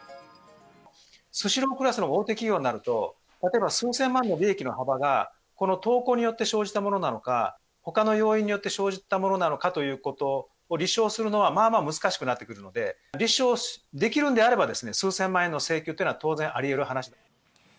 スシロークラスの大手企業になると、例えば数千万の利益の幅が、この投稿によって生じたものなのか、ほかの要因によって生じたものなのかということを立証するのはまあまあ難しくなってくるので、立証できるんであれば、数千万円の請求というのは当然ありえる話。